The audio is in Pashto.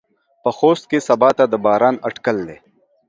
په خوست کې سباته د باران اټکل دى.